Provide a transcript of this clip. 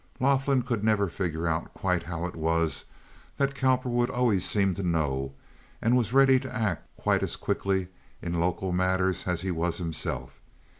Laughlin could never figure out quite how it was that Cowperwood always seemed to know and was ready to act quite as quickly in local matters as he was himself.